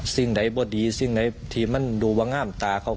สิ่งใดบ่ดีสิ่งไหนที่มันดูว่างามตาเขา